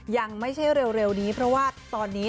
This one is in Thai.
ยังไม่ใช่เร็วนี้เพราะว่าตอนนี้